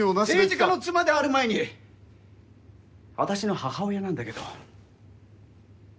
政治家の妻である前に私の母親なんだけど。